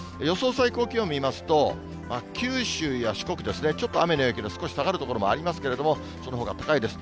最高気温見ますと、九州や四国ですね、ちょっと雨の影響で下がる所がありますけれども、そのほか高いです。